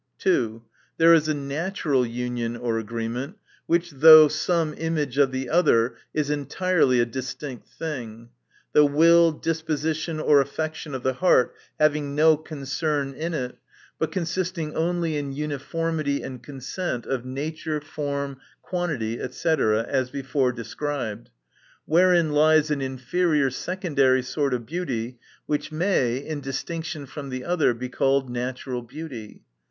(2.) There is a natural union or agreement ; which, though some image of the other, is entirely a distinct thing ; the will, disposition, or affection of the heart hav ing no concern in it, but consisting only in uniformity and consent of nature, form, quantity, &c. (as before described), wherein lies an inferior secondary sort of beauty, which may, in distinction from the other, be called natural beauty.